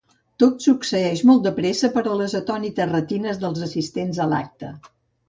Tot succeeix molt de pressa per a les atònites retines dels assistents a l'acte.